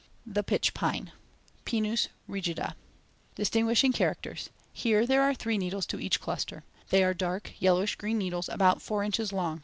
THE PITCH PINE (Pinus rigida) Distinguishing characters: Here there are *three* needles to each cluster, Fig. 4. They are dark, yellowish green needles about four inches long.